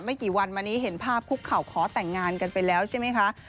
กี่วันมานี้เห็นภาพคุกเข่าขอแต่งงานกันไปแล้วใช่ไหมคะ